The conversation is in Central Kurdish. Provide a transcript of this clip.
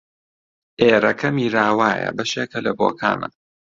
ئێرەکە میراوایە بەشێکە لە بۆکانە